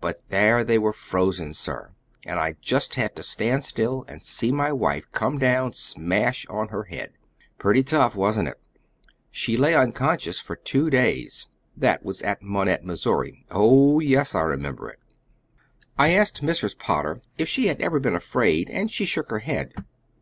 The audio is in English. But there they were frozen, sir, and I just had to stand still and see my wife come down smash on her head. Pretty tough, wasn't it? She lay unconscious for two days that was at Monette, Missouri. Oh, yes, I remember it!" I asked Mrs. Potter if she had ever been afraid, and she shook her head.